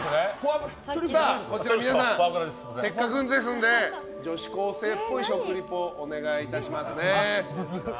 皆さん、せっかくですので女子高生っぽい食リポお願いしますね。